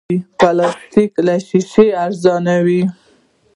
پلاستيک له شیشې ارزانه وي.